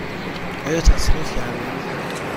آیا تصادف کرده اید؟